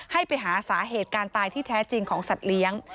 ให้ไปหาสาเหตุการณ์ตายที่แท้จริงของสัตว์เลี้ยง